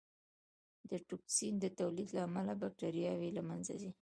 د ټوکسین د تولید له امله بکټریاوې له منځه ځي.